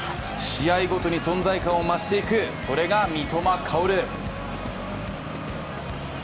試合ごとに存在感を増していくそれが三笘薫。